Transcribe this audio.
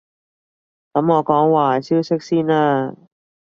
噉我講壞消息先啦